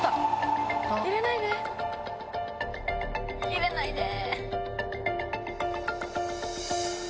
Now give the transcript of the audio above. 入れないで！